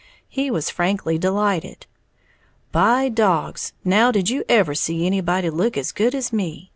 He was frankly delighted. "By dogs, now, did you ever see anybody look as good as me?"